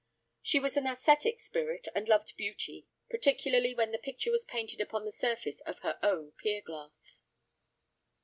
She was an æsthetic spirit, and loved beauty, particularly when the picture was painted upon the surface of her own pier glass.